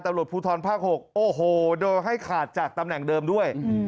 ตำรวจภูทรภาค๖โอ้โหโดยให้ขาดจากตำแหน่งเดิมด้วย